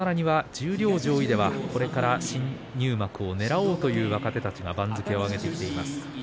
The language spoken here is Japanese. さらには十両上位ではこれから新入幕を狙おうという若手たちが番付を上げてきています。